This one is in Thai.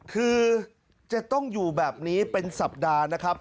คือจะต้องอยู่แบบนี้เป็นสัปดาห์นะครับ